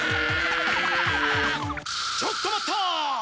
ちょっと待った！